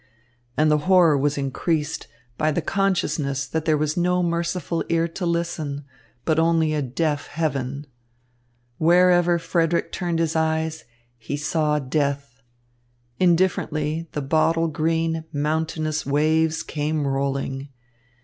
And the horror was increased by the consciousness that there was no merciful ear to listen, but only a deaf heaven. Wherever Frederick turned his eyes, he saw death. Indifferently the bottle green, mountainous waves came rolling.